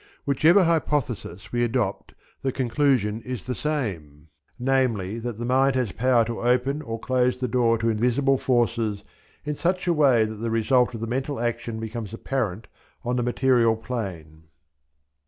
Whichever hypothesis we adopt the conclusion is the same, namely, that the mind has power to open or close the door to invisible forces in such a way that the result of the mental action becomes apparent on the material plane.